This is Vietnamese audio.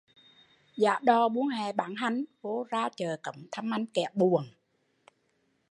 Giả đò buôn hẹ bán hành, vô ra chợ Cống thăm anh kẻo buồn